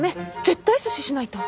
絶対阻止しないと。